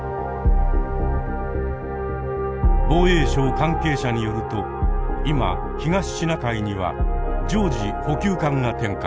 防衛省関係者によると今東シナ海には常時補給艦が展開。